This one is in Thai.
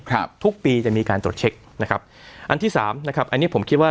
ครับทุกปีจะมีการตรวจเช็คนะครับอันที่สามนะครับอันนี้ผมคิดว่า